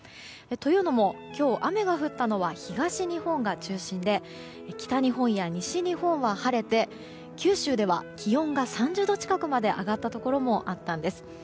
というのも今日、雨が降ったのは東日本が中心で北日本や西日本は晴れて九州では気温が３０度近くまで上がったところもあったんです。